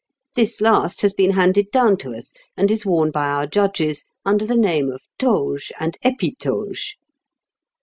This last has been handed down to us, and is worn by our judges under the name of toge and épitoge.